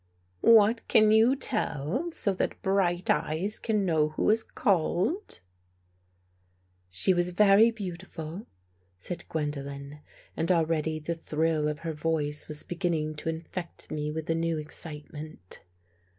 " What can you tell, so that Bright eyes can know who is called? "" She was very beautiful," said Gwendolen, and already the thrill of her voice was beginning to in fect me with a new excitement.